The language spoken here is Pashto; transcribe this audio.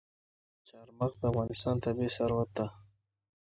چار مغز د افغانستان طبعي ثروت دی.